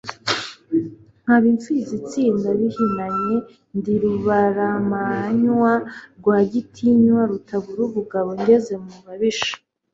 nkaba imfizi itsinda bihinanye, ndi ruburamanywa Rwagitinywa, rutabura ubugabo ngeze mu babisha,